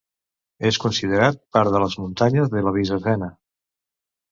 És considerat part de les muntanyes de la Bizacena.